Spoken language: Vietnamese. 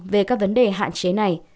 về các vấn đề hạn chế này